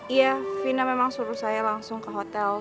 iya fina memang suruh saya langsung ke hotel